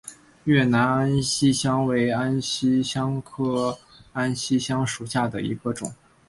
越南安息香为安息香科安息香属下的一个种。